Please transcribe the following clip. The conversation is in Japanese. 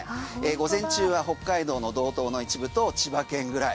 午前中は北海道の道東の一部と千葉県ぐらい。